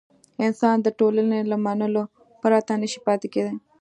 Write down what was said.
انسان د ټولنې له منلو پرته نه شي پاتې کېدای.